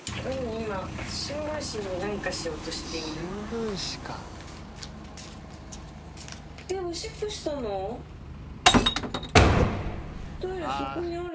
今、新聞紙に何かしようとしている？